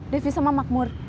devi sama makmur